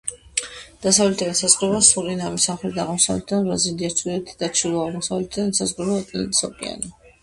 დასავლეთიდან ესაზღვრება სურინამი, სამხრეთიდან და აღმოსავლეთიდან ბრაზილია, ჩრდილოეთით და ჩრდილო-აღმოსავლეთიდან ესაზღვრება ატლანტის ოკეანე.